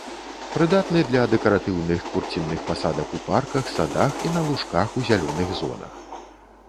Прыдатны для дэкаратыўных, курцінных пасадак у парках, садах і на лужках у зялёных зонах.